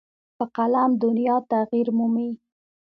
په قلم دنیا تغیر مومي.